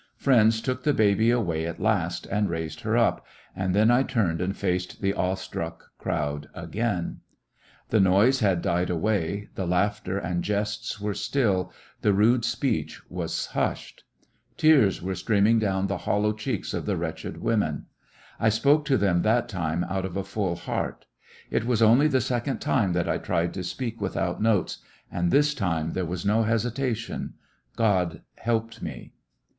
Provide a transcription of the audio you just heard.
Friends took the baby away at last, and raised her up, and then I turned and faced the awe struck crowd again. 22 'jyiissionarY in tge Great West The noise had died away, the laughter and God with us jests were still, the rude speech was hushed. Tears were streaming down the hollow cheeks of the wretched women. I spoke to them that time out of a full heart. It was only the second time that I tried to speak without notes, and this time there was no hesitation. God helped me.